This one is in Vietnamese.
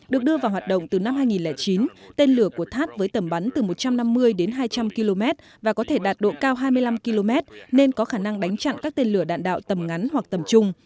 được đưa vào hoạt động từ năm hai nghìn chín tên lửa của tháp với tầm bắn từ một trăm năm mươi đến hai trăm linh km và có thể đạt độ cao hai mươi năm km nên có khả năng đánh chặn các tên lửa đạn đạo tầm ngắn hoặc tầm trung